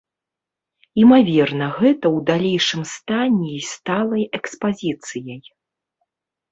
Імаверна гэта ў далейшым стане і сталай экспазіцыяй.